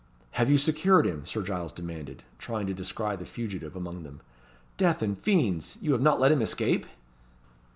"Have you secured him?" Sir Giles demanded, trying to descry the fugitive among them. "Death and fiends! you have not let him escape?"